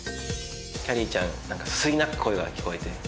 きゃりーちゃんすすり泣く声が聞こえて。